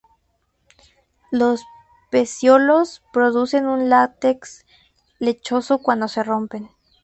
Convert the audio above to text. Los pecíolos producen un látex lechoso cuando se rompen.